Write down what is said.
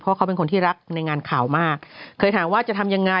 เพราะเขาเป็นคนที่รักในงานข่าวมากเคยถามว่าจะทำยังไง